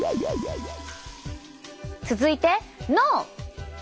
続いて脳！